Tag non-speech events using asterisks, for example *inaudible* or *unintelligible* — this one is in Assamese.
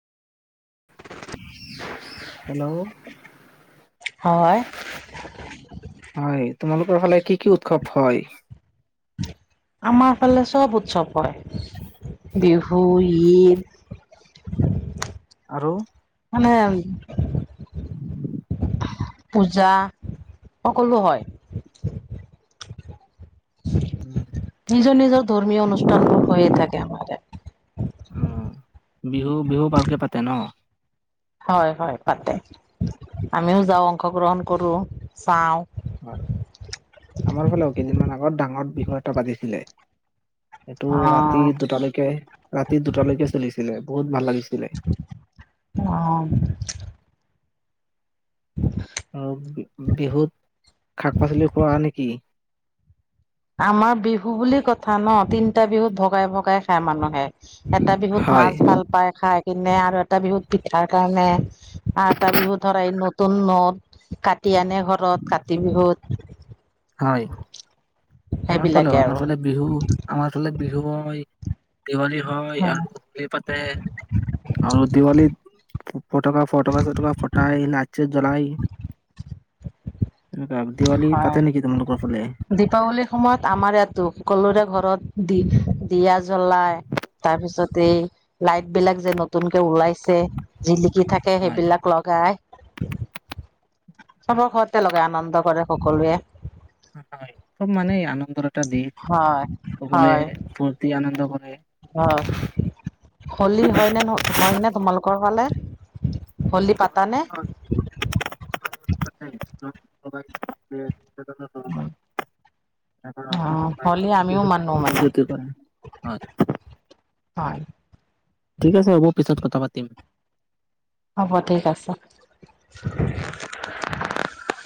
হেল্ল' হয় হয় তোমালোকৰ ফালে কি কি উৎসৱ হয়। আমাৰ ফালে চব উৎসৱ হয় বিহু ঈদ আৰু মানে উম উ পূজা সকলো হয় নিজৰ নিজৰ ধৰ্মীয় অনুষ্ঠানবোৰ হৈয় থাকে আমাৰ উ বিহু বিহু ভালকে পাতে ন হয় হয় পাতে আমিও যাওঁ অংশগ্ৰহণ কৰো চাওঁ হয় আমাৰ ফালেও কেইদিনমান আগত ডাঙৰ বিষয় এটা পাতিছিলে। এইটো ৰাতি অ'। দুটালৈকে ৰাতি দুটালৈকে চলিছিলে। বহুত ভাল লাগে। আহ আৰু বিহুত শাক পাচলি খোৱা নেকি আমাৰ বিহু বুলি কথা ন তিনটা বিহুত ভগাই ভগাই খাই মানুহে এটা বিহুত হয় মাছ ভাল পাই খাই। কিনে আৰু এটা বিহুত পিঠাৰ কাৰণে আ এটা বিহু ধৰা এই ন টো নত কাট। তিয়নে ঘৰত কাতি বিহুত হয় আমাৰ ফালেও সেইবিলাকে আমাৰ ফালে আৰু। বিহু আমাৰ ফালে বিহুই দিৱালী হয় আৰু হোলী পাতে আৰু দিৱালীত ফটকা ফটকা চটকা ফটাই লাইট চাইত জলায় দিৱাল হয় পাত। *inaudible* দীপাৱলীৰ সময়ত আমাৰ ইয়াতো, সকলোৰে ঘৰত দি, দিয়া জ জ্বলাই, তাৰপিছত টেই, লাইটবিলাক যে নতুনকে ওলাইছে, জিলি কি থাকে হয় সেইবিলাক লগায়। চবৰ ঘৰতে লগায়, আনন্দ কৰে সকলোৱে। হয়, খুব মানে আনন্দৰ এটা দিন। হয় সকলোৱে ফুৰ্তি আনন্দ কৰ অ', হোলি হয়নে নে হয়নে তোমালোক কৰবালে হ'লি পাতানে? *unintelligible* আহ, হ'লে আমিও মানো মানে। হয়, হয়। ঠিক আছে হ'ব পিছত কথা পাতিম। হ'ব ঠিক আছে।